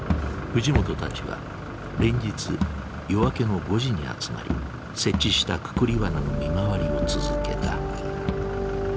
藤本たちは連日夜明けの５時に集まり設置したくくりワナの見回りを続けた。